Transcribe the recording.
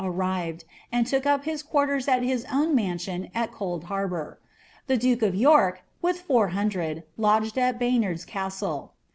arrived, and took up his quarters at his own mansion at Cold Harbaor The duke of York, with four hundred, lodged ai &.yi.ard's Castle.